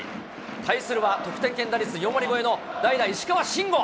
対するは、得点圏打率４割超えの代打、石川慎吾。